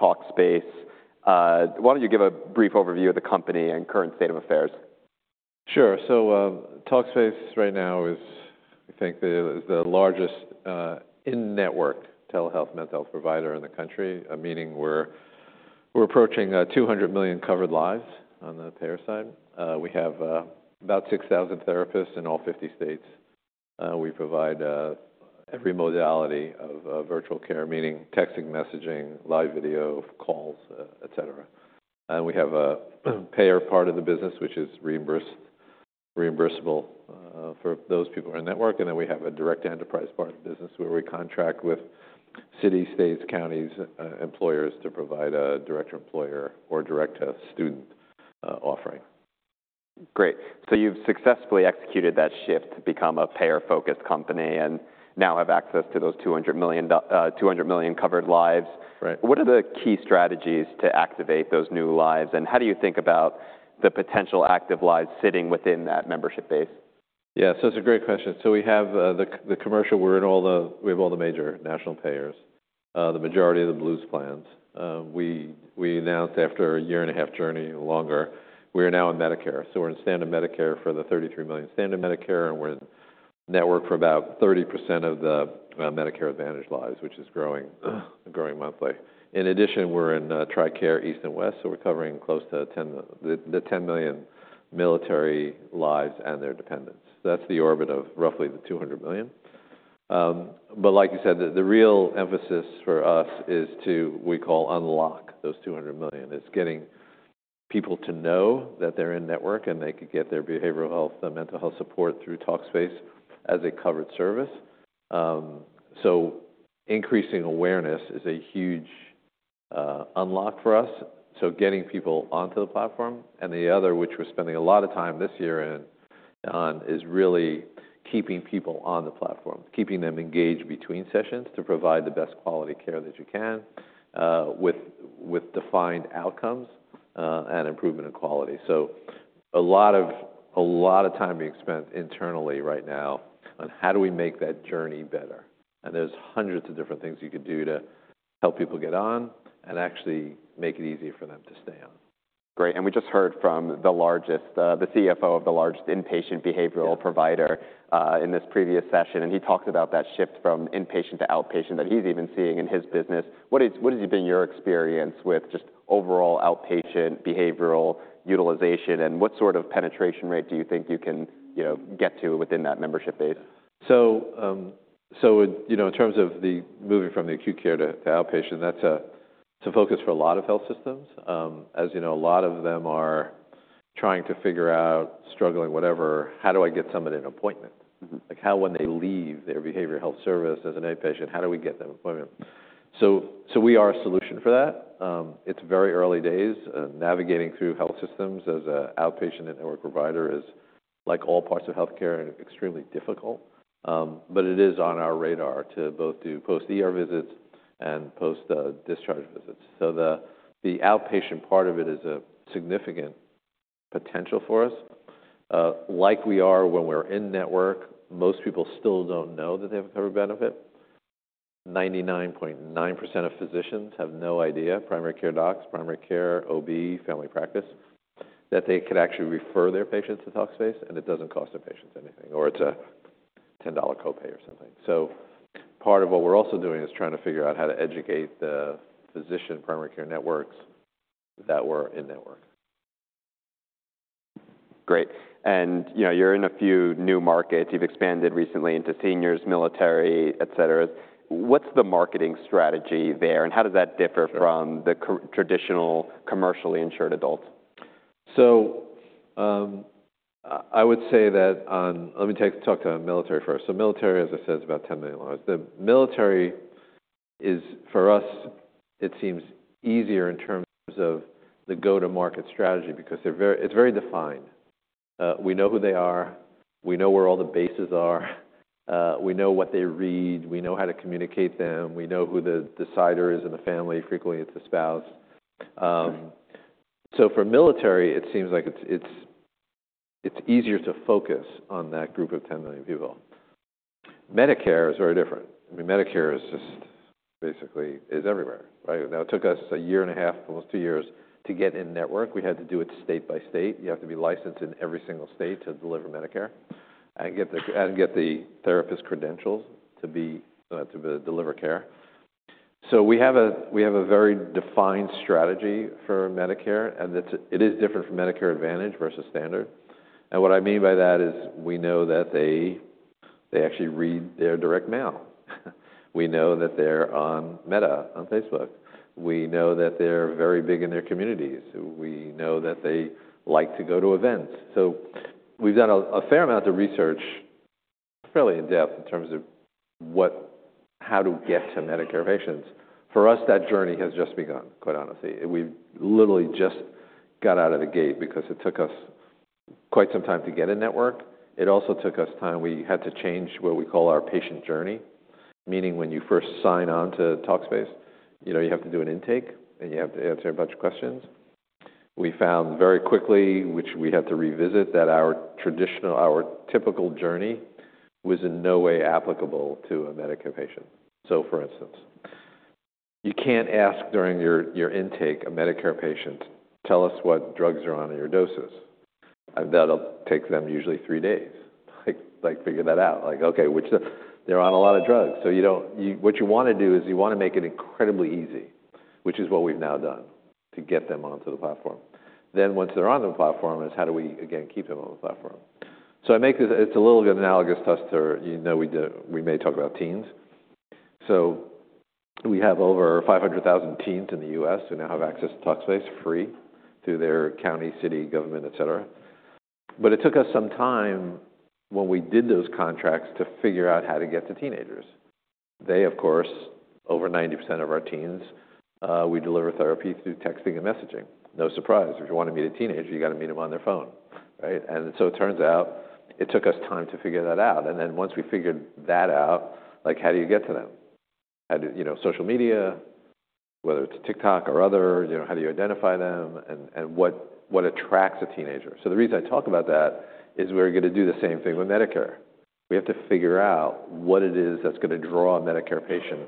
Talkspace. Why don't you give a brief overview of the company and current state of affairs? Sure. Talkspace right now is, I think, the largest in-network telehealth mental health provider in the country, meaning we're approaching 200 million covered lives on the payer side. We have about 6,000 therapists in all 50 states. We provide every modality of virtual care, meaning texting, messaging, live video, calls, etc. We have a payer part of the business, which is reimbursable for those people who are in network. We have a direct enterprise part of the business where we contract with cities, states, counties, employers to provide a direct employer or direct student offering. Great. You've successfully executed that shift to become a payer-focused company and now have access to those 200 million covered lives. What are the key strategies to activate those new lives? How do you think about the potential active lives sitting within that membership base? Yeah, that's a great question. We have the commercial. We have all the major national payers, the majority of the Blues plans. We announced after a year and a half journey, longer, we are now in Medicare. We're in standard Medicare for the 33 million standard Medicare, and we're in network for about 30% of the Medicare Advantage lives, which is growing monthly. In addition, we're in TRICARE East and West. We're covering close to the 10 million military lives and their dependents. That's the orbit of roughly the 200 million. Like you said, the real emphasis for us is to, we call, unlock those 200 million. It's getting people to know that they're in network and they could get their behavioral health, mental health support through Talkspace as a covered service. Increasing awareness is a huge unlock for us. Getting people onto the platform. The other, which we're spending a lot of time this year on, is really keeping people on the platform, keeping them engaged between sessions to provide the best quality care that you can with defined outcomes and improvement in quality. A lot of time being spent internally right now on how do we make that journey better. There are hundreds of different things you could do to help people get on and actually make it easier for them to stay on. Great. We just heard from the CFO of the largest inpatient behavioral provider in this previous session. He talked about that shift from inpatient to outpatient that he's even seeing in his business. What has been your experience with just overall outpatient behavioral utilization? What sort of penetration rate do you think you can get to within that me mbership data? In terms of moving from the acute care to outpatient, that's a focus for a lot of health systems. As you know, a lot of them are trying to figure out, struggling, whatever, how do I get somebody an appointment? Like how, when they leave their behavioral health service as an inpatient, how do we get them an appointment? We are a solution for that. It's very early days. Navigating through health systems as an outpatient network provider is, like all parts of health care, extremely difficult. It is on our radar to both do post-ER visits and post-discharge visits. The outpatient part of it is a significant potential for us. Like we are when we're in network, most people still don't know that they have a covered benefit. 99.9% of physicians have no idea, primary care docs, primary care, OB, family practice, that they could actually refer their patients to Talkspace, and it does not cost their patients anything, or it is a $10 copay or something. Part of what we are also doing is trying to figure out how to educate the physician primary care networks that we are in network. Great. You're in a few new markets. You've expanded recently into seniors, military, etc. What's the marketing strategy there? How does that differ from the traditional commercially insured adults? I would say that on, let me talk to military first. Military, as I said, is about 10 million lives. The military is, for us, it seems easier in terms of the go-to-market strategy because it's very defined. We know who they are. We know where all the bases are. We know what they read. We know how to communicate to them. We know who the decider is in the family. Frequently, it's the spouse. For military, it seems like it's easier to focus on that group of 10 million people. Medicare is very different. I mean, Medicare is just basically everywhere. It took us a year and a half, almost two years, to get in network. We had to do it state by state. You have to be licensed in every single state to deliver Medicare and get the therapist credentials to deliver care. We have a very defined strategy for Medicare. It is different from Medicare Advantage versus standard. What I mean by that is we know that they actually read their direct mail. We know that they are on Meta, on Facebook. We know that they are very big in their communities. We know that they like to go to events. We have done a fair amount of research, fairly in-depth, in terms of how to get to Medicare patients. For us, that journey has just begun, quite honestly. We literally just got out of the gate because it took us quite some time to get in network. It also took us time. We had to change what we call our patient journey, meaning when you first sign on to Talkspace, you have to do an intake, and you have to answer a bunch of questions. We found very quickly, which we had to revisit, that our typical journey was in no way applicable to a Medicare patient. For instance, you can't ask during your intake a Medicare patient, "Tell us what drugs you're on your doses." That'll take them usually three days to figure that out. Like, "Okay, they're on a lot of drugs." What you want to do is you want to make it incredibly easy, which is what we've now done, to get them onto the platform. Once they're on the platform, it's how do we, again, keep them on the platform. It's a little bit analogous to us to, you know, we may talk about teens. We have over 500,000 teens in the U.S. who now have access to Talkspace free through their county, city, government, etc. It took us some time when we did those contracts to figure out how to get to teenagers. Of course, over 90% of our teens, we deliver therapy through texting and messaging. No surprise. If you want to meet a teenager, you got to meet them on their phone. It turns out it took us time to figure that out. Once we figured that out, how do you get to them? Social media, whether it's TikTok or other, how do you identify them? What attracts a teenager? The reason I talk about that is we're going to do the same thing with Medicare. We have to figure out what it is that's going to draw a Medicare patient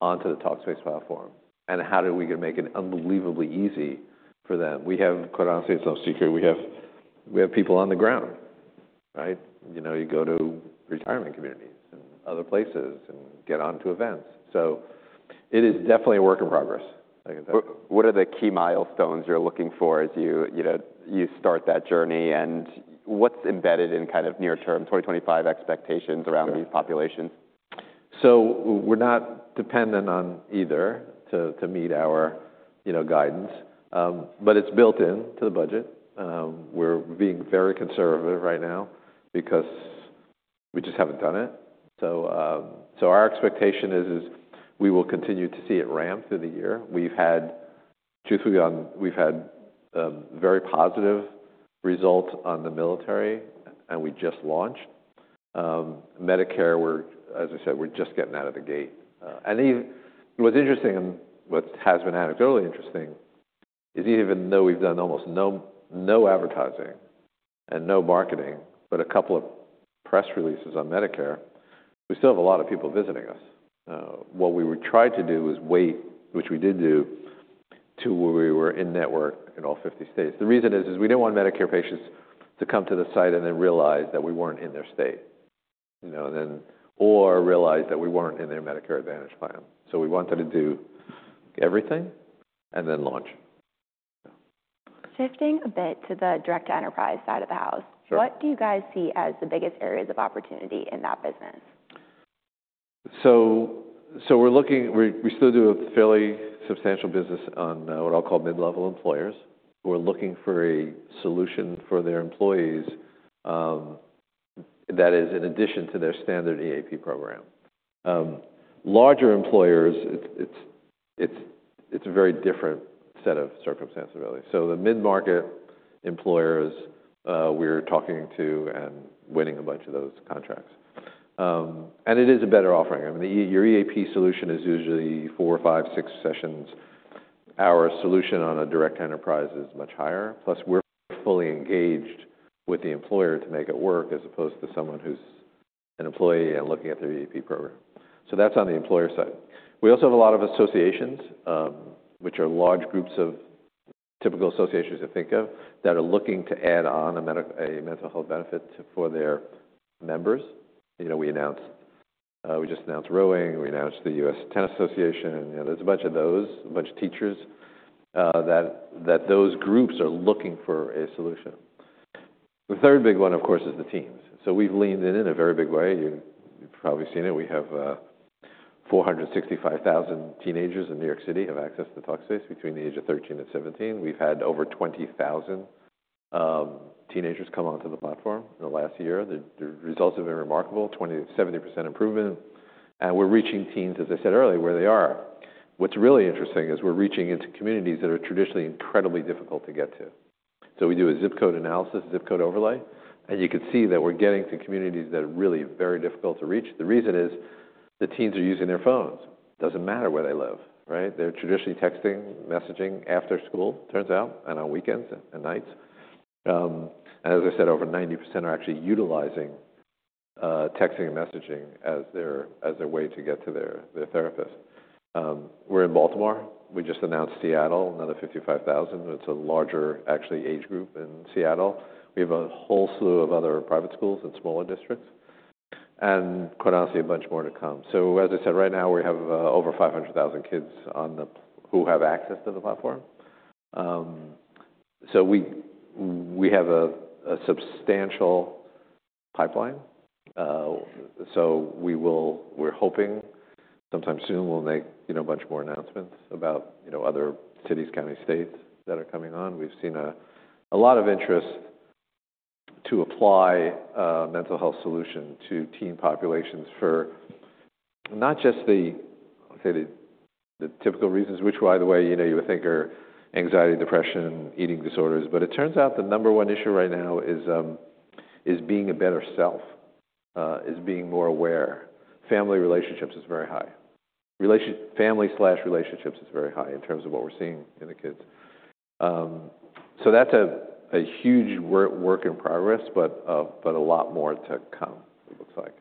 onto the Talkspace platform. How are we going to make it unbelievably easy for them? We have, quite honestly, it's no secret. We have people on the ground. You go to retirement communities and other places and get onto events. It is definitely a work in progress. What are the key milestones you're looking for as you start that journey? What's embedded in kind of near-term 2025 expectations around these populations? We're not dependent on either to meet our guidance. It is built into the budget. We're being very conservative right now because we just haven't done it. Our expectation is we will continue to see it ramp through the year. We've had very positive results on the military, and we just launched. Medicare, as I said, we're just getting out of the gate. What's interesting, and what has been anecdotally interesting, is even though we've done almost no advertising and no marketing, but a couple of press releases on Medicare, we still have a lot of people visiting us. What we would try to do is wait, which we did do, to where we were in network in all 50 states. The reason is we didn't want Medicare patients to come to the site and then realize that we weren't in their state, or realize that we weren't in their Medicare Advantage plan. We wanted to do everything and then launch. Shifting a bit to the direct enterprise side of the house, what do you guys see as the biggest areas of opportunity in that business? We're looking, we still do a fairly substantial business on what I'll call mid-level employers. We're looking for a solution for their employees that is in addition to their standard EAP program. Larger employers, it's a very different set of circumstances, really. The mid-market employers, we're talking to and winning a bunch of those contracts. It is a better offering. Your EAP solution is usually four, five, six sessions. Our solution on a direct enterprise is much higher. Plus, we're fully engaged with the employer to make it work as opposed to someone who's an employee and looking at their EAP program. That's on the employer side. We also have a lot of associations, which are large groups of typical associations you think of, that are looking to add on a mental health benefit for their members. We announced, we just announced Rowing. We announced the US Tennis Association. There's a bunch of those, a bunch of teachers, that those groups are looking for a solution. The third big one, of course, is the teens. We've leaned in in a very big way. You've probably seen it. We have 465,000 teenagers in New York City have access to Talkspace between the age of 13 and 17. We've had over 20,000 teenagers come onto the platform in the last year. The results have been remarkable, 70% improvement. We're reaching teens, as I said earlier, where they are. What's really interesting is we're reaching into communities that are traditionally incredibly difficult to get to. We do a zip code analysis, zip code overlay. You could see that we're getting to communities that are really very difficult to reach. The reason is the teens are using their phones. It doesn't matter where they live. They're traditionally texting, messaging after school, turns out, and on weekends and nights. As I said, over 90% are actually utilizing texting and messaging as their way to get to their therapist. We're in Baltimore. We just announced Seattle, another 55,000. It's a larger, actually, age group in Seattle. We have a whole slew of other private schools in smaller districts, and quite honestly, a bunch more to come. Right now, we have over 500,000 kids who have access to the platform. We have a substantial pipeline. We're hoping sometime soon we'll make a bunch more announcements about other cities, counties, states that are coming on. We've seen a lot of interest to apply a mental health solution to teen populations for not just the typical reasons, which, by the way, you would think are anxiety, depression, eating disorders. It turns out the number one issue right now is being a better self, is being more aware. Family relationships is very high. Family/relationships is very high in terms of what we're seeing in the kids. That is a huge work in progress, but a lot more to come, it looks like.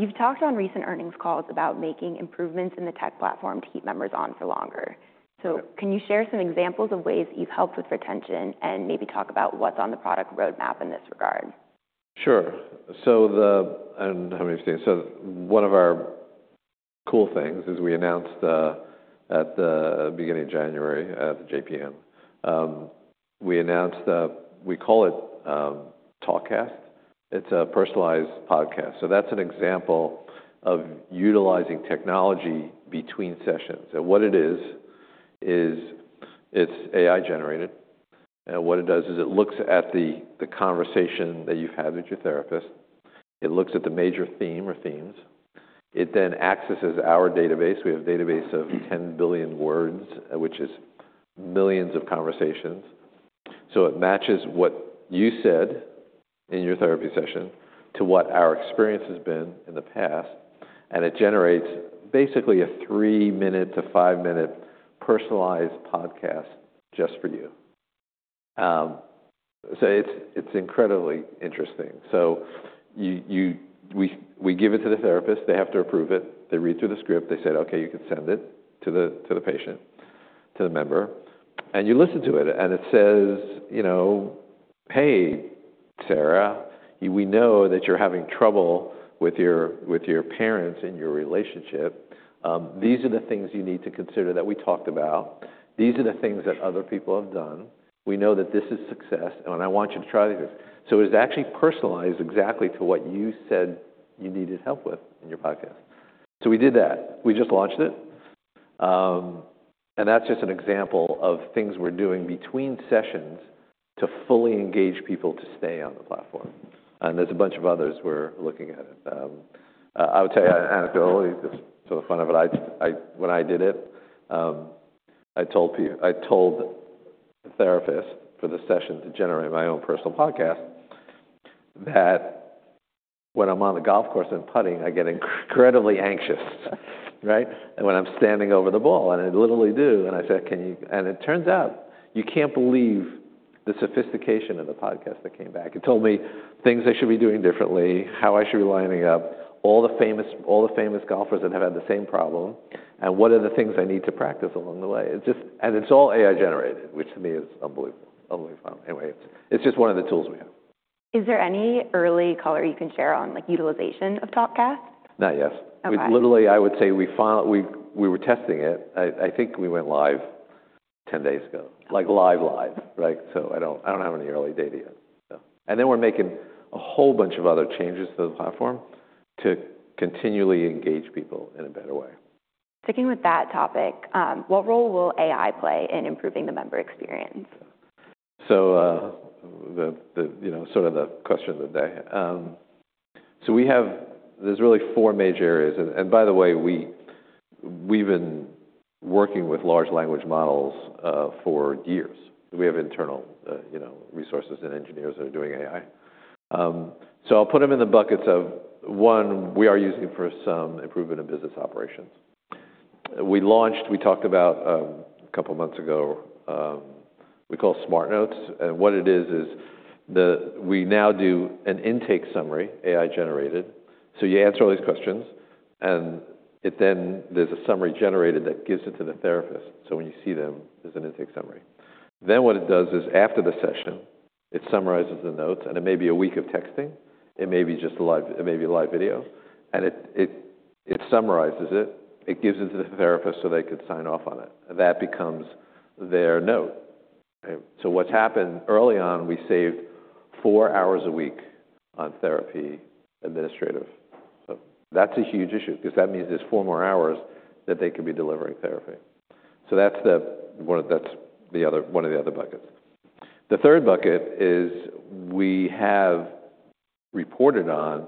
You've talked on recent earnings calls about making improvements in the tech platform to keep members on for longer. Can you share some examples of ways that you've helped with retention and maybe talk about what's on the product roadmap in this regard? Sure. How many things? One of our cool things is we announced at the beginning of January at the JPM. We announced that we call it TalkCast. It's a personalized podcast. That's an example of utilizing technology between sessions. What it is, it's AI-generated. What it does is it looks at the conversation that you've had with your therapist. It looks at the major theme or themes. It then accesses our database. We have a database of 10 billion words, which is millions of conversations. It matches what you said in your therapy session to what our experience has been in the past. It generates basically a three-minute to five-minute personalized podcast just for you. It's incredibly interesting. We give it to the therapist. They have to approve it. They read through the script. They said, "Okay, you can send it to the patient, to the member." You listen to it. It says, "Hey, Sarah, we know that you're having trouble with your parents and your relationship. These are the things you need to consider that we talked about. These are the things that other people have done. We know that this is success. I want you to try these." It is actually personalized exactly to what you said you needed help with in your podcast. We did that. We just launched it. That is just an example of things we are doing between sessions to fully engage people to stay on the platform. There are a bunch of others we are looking at. I'll tell you anecdotally, just for the fun of it, when I did it, I told the therapist for the session to generate my own personal podcast that when I'm on the golf course and putting, I get incredibly anxious. When I'm standing over the ball, and I literally do, I said, "Can you?" It turns out you can't believe the sophistication of the podcast that came back. It told me things I should be doing differently, how I should be lining up, all the famous golfers that have had the same problem, and what are the things I need to practice along the way. It's all AI-generated, which to me is unbelievable. Anyway, it's just one of the tools we have. Is there any early color you can share on utilization of TalkCast? Not yet. Literally, I would say we were testing it. I think we went live 10 days ago, like live, live. I do not have any early data yet. We are making a whole bunch of other changes to the platform to continually engage people in a better way. Sticking with that topic, what role will AI play in improving the member experience? Sort of the question of the day. There are really four major areas. By the way, we've been working with large language models for years. We have internal resources and engineers that are doing AI. I'll put them in the buckets of one, we are using for some improvement in business operations. We launched, we talked about a couple of months ago, we call Smart Notes. What it is, is we now do an intake summary, AI-generated. You answer all these questions, and then there's a summary generated that gives it to the therapist. When you see them, there's an intake summary. What it does is after the session, it summarizes the notes. It may be a week of texting, it may be just a live video, and it summarizes it. It gives it to the therapist so they could sign off on it. That becomes their note. What's happened early on, we saved four hours a week on therapy administrative. That's a huge issue because that means there's four more hours that they could be delivering therapy. That's one of the other buckets. The third bucket is we have reported on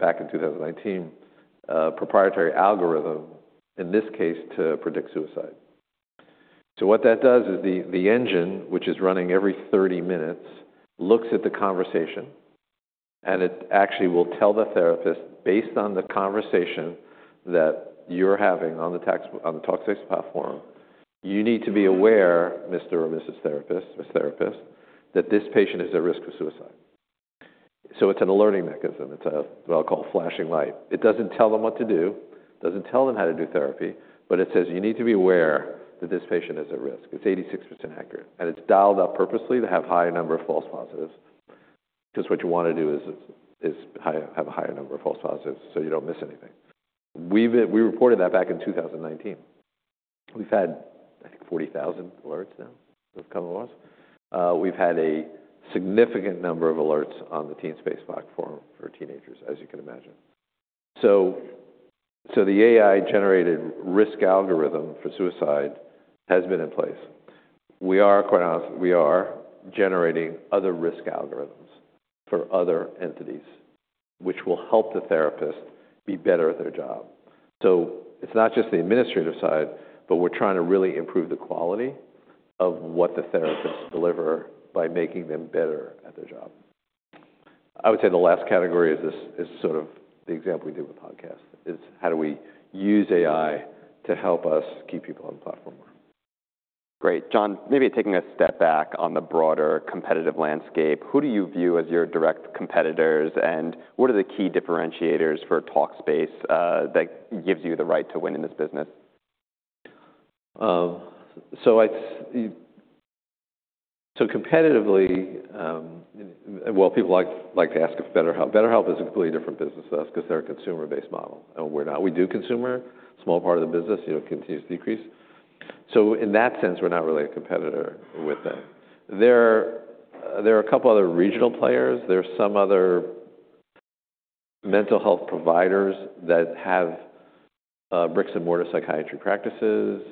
back in 2019, proprietary algorithm, in this case, to predict suicide. What that does is the engine, which is running every 30 minutes, looks at the conversation. It actually will tell the therapist, based on the conversation that you're having on the Talkspace platform, you need to be aware, Mr. or Mrs. Therapist, that this patient is at risk for suicide. It's an alerting mechanism. It's what I'll call flashing light. It doesn't tell them what to do. It doesn't tell them how to do therapy. But it says, "You need to be aware that this patient is at risk." It's 86% accurate. And it's dialed up purposely to have a higher number of false positives. Because what you want to do is have a higher number of false positives so you don't miss anything. We reported that back in 2019. We've had, I think, 40,000 alerts now of common laws. We've had a significant number of alerts on the TeenSpace platform for teenagers, as you can imagine. The AI-generated risk algorithm for suicide has been in place. We are generating other risk algorithms for other entities, which will help the therapist be better at their job. It's not just the administrative side, but we're trying to really improve the quality of what the therapists deliver by making them better at their job. I would say the last category is sort of the example we did with podcasts. It's how do we use AI to help us keep people on the platform. Great. Jon, maybe taking a step back on the broader competitive landscape, who do you view as your direct competitors? What are the key differentiators for Talkspace that gives you the right to win in this business? Competitively, people like to ask if BetterHelp, BetterHelp is a completely different business to us because they're a consumer-based model. We do consumer, small part of the business, continues to decrease. In that sense, we're not really a competitor with them. There are a couple of other regional players. There are some other mental health providers that have bricks-and-mortar psychiatry practices,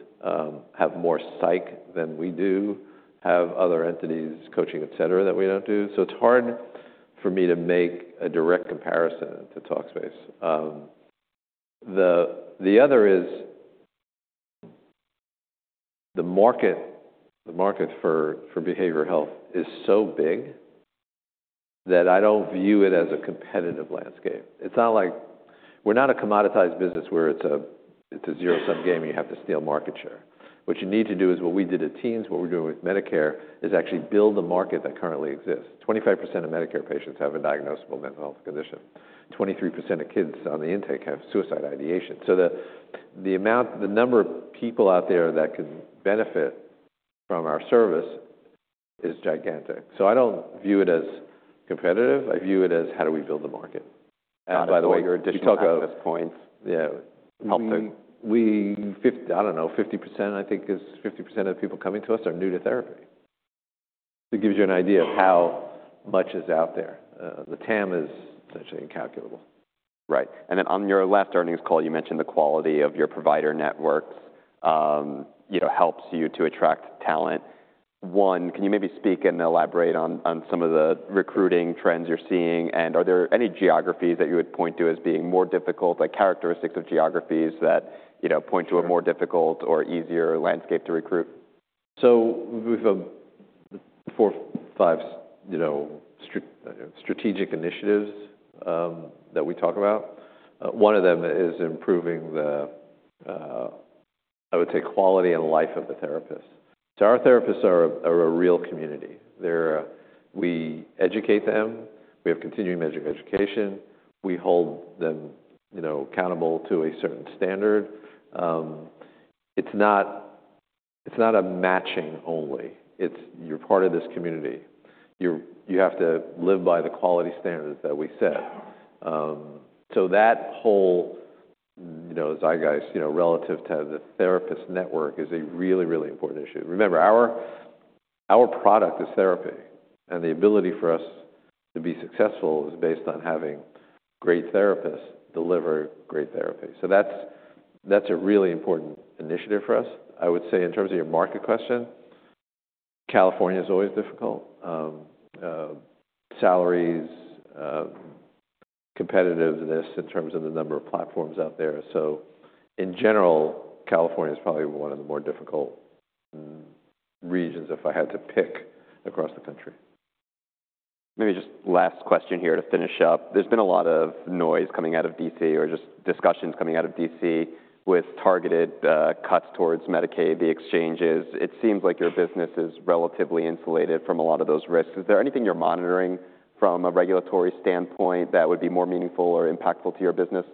have more psych than we do, have other entities, coaching, etc., that we don't do. It's hard for me to make a direct comparison to Talkspace. The other is the market for behavioral health is so big that I don't view it as a competitive landscape. It's not like we're not a commoditized business where it's a zero-sum game and you have to steal market share. What you need to do is what we did at Teens, what we're doing with Medicare is actually build a market that currently exists. 25% of Medicare patients have a diagnosable mental health condition. 23% of kids on the intake have suicide ideation. The number of people out there that can benefit from our service is gigantic. I don't view it as competitive. I view it as how do we build the market. By the way, your additional focus points help them. I don't know, 50%, I think is 50% of the people coming to us are new to therapy. It gives you an idea of how much is out there. The TAM is essentially incalculable. Right. On your last earnings call, you mentioned the quality of your provider networks helps you to attract talent. One, can you maybe speak and elaborate on some of the recruiting trends you're seeing? Are there any geographies that you would point to as being more difficult, like characteristics of geographies that point to a more difficult or easier landscape to recruit? We've got four, five strategic initiatives that we talk about. One of them is improving the, I would say, quality and life of the therapists. Our therapists are a real community. We educate them. We have continuing education. We hold them accountable to a certain standard. It's not a matching only. You're part of this community. You have to live by the quality standards that we set. That whole zeitgeist relative to the therapist network is a really, really important issue. Remember, our product is therapy. The ability for us to be successful is based on having great therapists deliver great therapy. That's a really important initiative for us. I would say in terms of your market question, California is always difficult. Salaries, competitiveness in terms of the number of platforms out there. In general, California is probably one of the more difficult regions if I had to pick across the country. Maybe just last question here to finish up. There's been a lot of noise coming out of D.C. or just discussions coming out of D.C. with targeted cuts towards Medicaid, the exchanges. It seems like your business is relatively insulated from a lot of those risks. Is there anything you're monitoring from a regulatory standpoint that would be more meaningful or impactful to your business?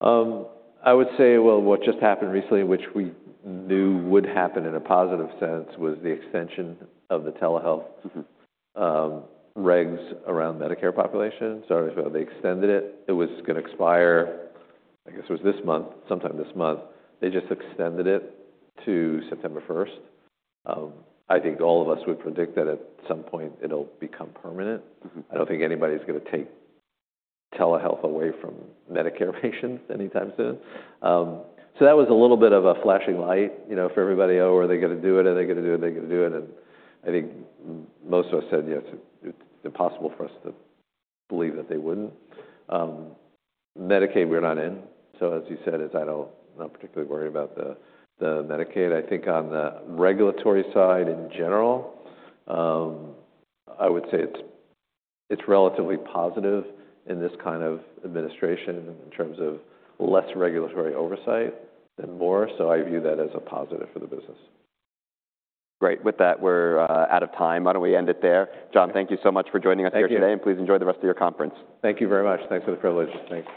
I would say, what just happened recently, which we knew would happen in a positive sense, was the extension of the telehealth regs around the Medicare population. They extended it. It was going to expire, I guess it was this month, sometime this month. They just extended it to September 1. I think all of us would predict that at some point it'll become permanent. I don't think anybody's going to take telehealth away from Medicare patients anytime soon. That was a little bit of a flashing light for everybody, "Oh, are they going to do it? Are they going to do it? Are they going to do it?" I think most of us said, "Yes, it's impossible for us to believe that they wouldn't." Medicaid, we're not in. As you said, I'm not particularly worried about the Medicaid. I think on the regulatory side in general, I would say it's relatively positive in this kind of administration in terms of less regulatory oversight than more. I view that as a positive for the business. Great. With that, we're out of time. Why don't we end it there? Jon, thank you so much for joining us here today. Please enjoy the rest of your conference. Thank you very much. Thanks for the privilege. Thanks.